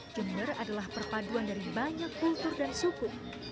jember adalah perpaduan dari banyak kultur dan suku